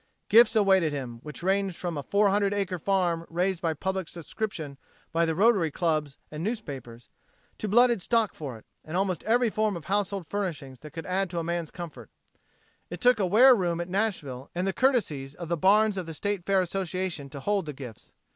Gifts awaited him, which ranged from a four hundred acre farm raised by public subscriptions by the Rotary Clubs and newspapers, to blooded stock for it, and almost every form of household furnishings that could add to man's comfort. It took a ware room at Nashville and the courtesies of the barns of the State Fair Association to hold the gifts.